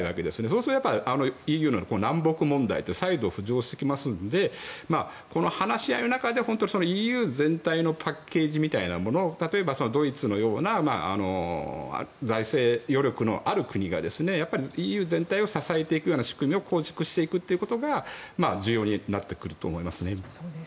そうするとＥＵの南北問題って再度浮上してきますのでこの話し合いの中で本当は、ＥＵ全体のパッケージみたいなものを例えばドイツのような財政余力のある国がＥＵ全体を支えていくような仕組みを構築していくということが重要になってくると思いますね。